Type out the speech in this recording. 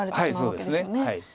はいそうですね。